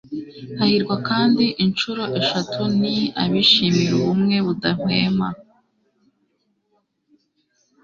hahirwa kandi inshuro eshatu ni abishimira ubumwe budahwema